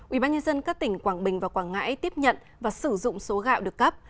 ubnd các tỉnh quảng bình và quảng ngãi tiếp nhận và sử dụng số gạo được cấp